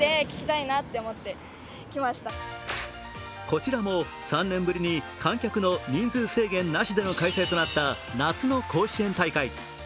こちらも３年ぶりに観客の人数制限なしの開催となった夏の甲子園大会。